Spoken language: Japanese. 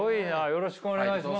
よろしくお願いします。